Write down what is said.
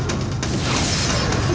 aku akan menangkanmu